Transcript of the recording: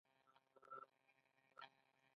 ایا مصنوعي ځیرکتیا د خلاقیت انساني سرچینه نه بدلوي؟